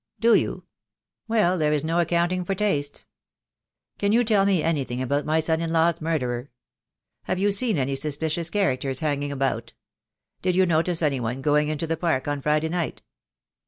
"Do you? Well, there is no accounting for tastes. THE DAY WILL COME. 123 Can you tell me anything about my son in law's murderer? Have you seen any suspicious characters hanging about? Did you notice any one going into the park on Friday night?"